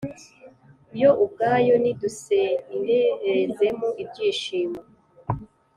Yo ubwayo nidusenderezemo ibyishimo,